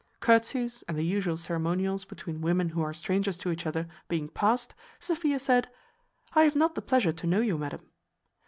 Curtsies and the usual ceremonials between women who are strangers to each other, being past, Sophia said, "I have not the pleasure to know you, madam."